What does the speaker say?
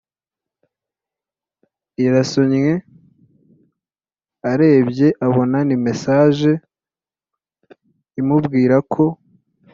irasonye arebye abona ni message imubwira ko